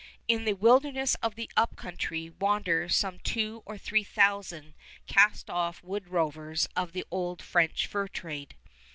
In the wilderness of the Up Country wander some two or three thousand cast off wood rovers of the old French fur trade.